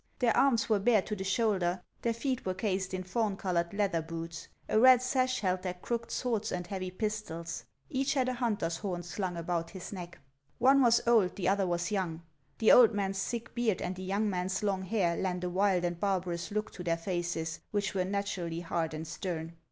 Their arms were bare to the shoulder, their feet were cased in fawn colored leather boots ; a red sash held their crooked swords and heavy pistols ; each had a hunter's horn slung about his neck. One was old, the other was young; the old HANS OF ICELAND. 2U3 man's thick beard and the young man's long hair lent a wild and barbarous look to their faces, which were naturally hard and stern.